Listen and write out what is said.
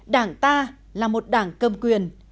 đảng ta là một đảng cầm quyền